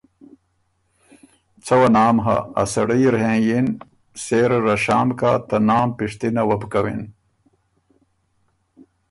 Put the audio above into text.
څه وه نام هۀ، اسړئ اِر هېںئِن، سېره ره شام کَۀ، ته نام پِشتِنه وه بو کوِن“